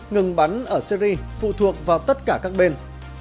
ngừng bắn ở syri phụ thuộc vào tất cả các bên